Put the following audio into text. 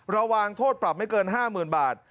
ระวังโทษปรับไม่เกิน๕๐๐๐บาท